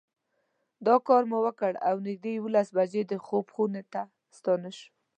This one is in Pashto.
دا کار مو وکړ او نږدې یوولس بجې د خوب خونو ته ستانه شوو.